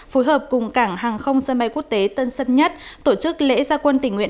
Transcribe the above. phối hợp cùng cảng hàng không sân bay quốc tế tân sân nhất tổ chức lễ gia quân tình nguyện